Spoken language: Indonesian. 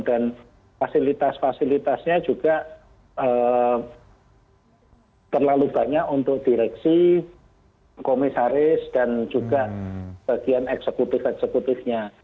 dan fasilitas fasilitasnya juga terlalu banyak untuk direksi komisaris dan juga bagian eksekutif eksekutifnya